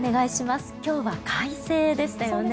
今日は快晴でしたよね。